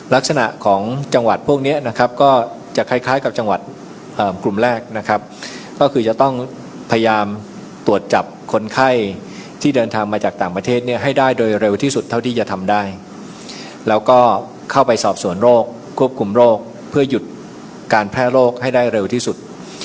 ลักษณะของจังหวัดพวกนี้นะครับก็จะคล้ายกับจังหวัดกลุ่มแรกนะครับก็คือจะต้องพยายามตรวจจับคนไข้ที่เดินทางมาจากต่างประเทศเนี่ยให้ได้โดยเร็วที่สุดเท่าที่จะทำได้แล้วก็เข้าไปสอบสวนโรคควบคุมโรคเพื่อหยุดการแพร่โรคให้ได้เร็วที่สุด